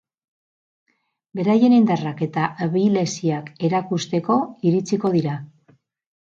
Beraien indarrak eta abileziak erakusteko iritsiko dira.